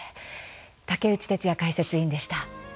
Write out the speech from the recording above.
竹内哲哉解説委員でした。